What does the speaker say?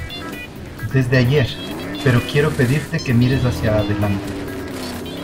desde ayer, pero quiero pedirte que mires hacia adelante.